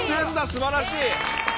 すばらしい！